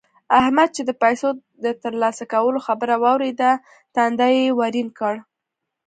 احمد چې د پيسو د تر لاسه کولو خبره واورېده؛ تندی يې ورين کړ.